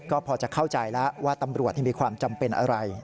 ก็พอจะเข้าใจแล้วว่าตำรวจมีความจำเป็นอะไร